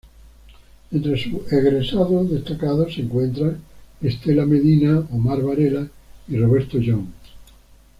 Entre sus egresados destacados se encuentran Estela Medina, Omar Varela y Roberto Jones.